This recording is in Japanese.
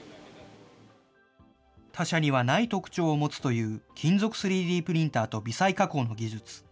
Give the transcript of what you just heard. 他社にはない特徴を持つという金属３Ｄプリンターと微細加工の技術。